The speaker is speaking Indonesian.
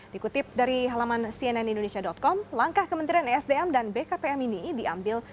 dikutip dari halaman cnn indonesia com langkah kementerian esdm dan bkpm ini diambil